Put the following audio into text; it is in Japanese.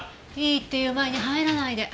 いいって言う前に入らないで。